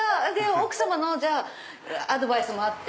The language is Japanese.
奥様のアドバイスもあって。